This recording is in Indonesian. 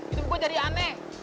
itu gue jadi aneh